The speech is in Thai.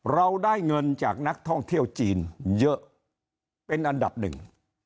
เราได้เงินจากนักท่องเที่ยวจีนเยอะเป็นอันดับหนึ่ง